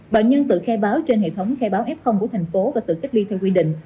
bệnh nhân tự khai báo trên hệ thống khai báo f của thành phố và tự cách ly theo quy định